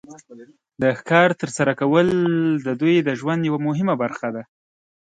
د ښکار تر سره کول د دوی د ژوند یو مهمه برخه وه.